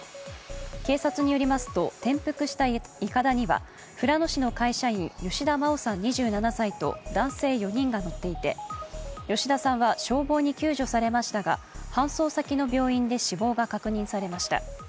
警察によりますと転覆したいかだには富良野市の会社員・吉田真央さん２７歳と男性４人が乗っていて吉田さんは消防に救助されましたが搬送先の病院で死亡が確認されました。